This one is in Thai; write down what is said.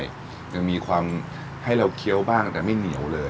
ยังมีความให้เราเคี้ยวบ้างแต่ไม่เหนียวเลย